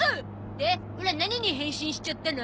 でオラ何に変身しちゃったの？